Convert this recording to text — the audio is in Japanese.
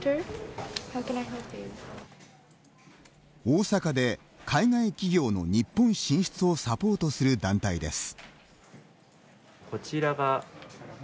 大阪で海外企業の日本進出をサポートする団体です。